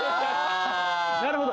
なるほど。